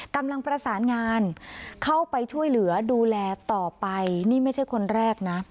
กำลังประสานงานเข้าไปช่วยเหลือดูแลต่อไปนี่ไม่ใช่คนแรกนะ